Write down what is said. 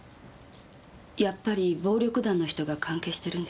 やっぱり暴力団の人が関係してるんですか？